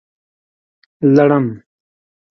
🦂 لړم